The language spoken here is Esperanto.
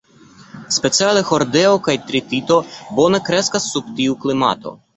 Speciale hordeo kaj tritiko bone kreskas sub tiu klimato.